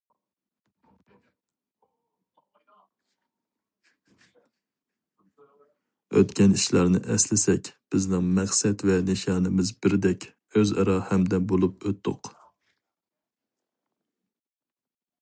ئۆتكەن ئىشلارنى ئەسلىسەك، بىزنىڭ مەقسەت ۋە نىشانىمىز بىردەك، ئۆزئارا ھەمدەم بولۇپ ئۆتتۇق.